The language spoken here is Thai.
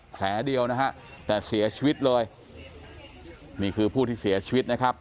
แผลเดียวนะฮะแต่เสียชีวิตเลยนี่คือผู้ที่เสียชีวิตนะครับ